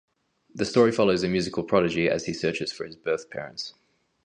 The story follows a musical prodigy as he searches for his birth parents.